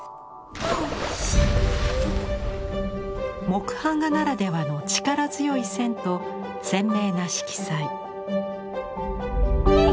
木版画ならではの力強い線と鮮明な色彩。